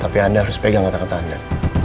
tapi anda harus pegang kata kata anda